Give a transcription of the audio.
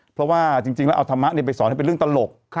เพราะว่าจริงแล้วเอาธรรมะไปสอนให้เป็นเรื่องตลก